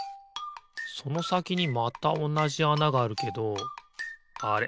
そのさきにまたおなじあながあるけどあれ？